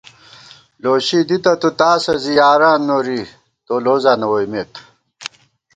لوشی دِتہ تُوتاسہ، زی یاران نوری تو لوزاں نہ ووئیمېت